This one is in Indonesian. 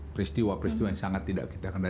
peristiwa peristiwa yang sangat tidak kita kenal